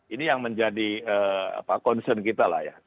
ini yang menjadi concern kita lah ya